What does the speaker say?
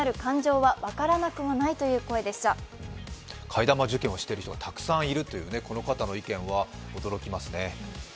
替え玉受検をしている人がたくさんいるというこの方の意見は驚きますね。